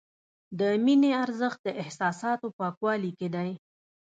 د مینې ارزښت د احساساتو پاکوالي کې دی.